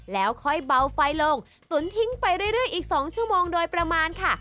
แล้วค่อยเบาไฟลงตุ๋นทิ้งไปเรื่อยอีก๒ชั่วโมงโดยประมาณค่ะ